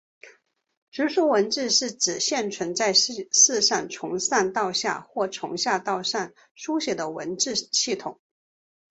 直书文字是指现存在世上从上到下或从下到上书写的文字系统。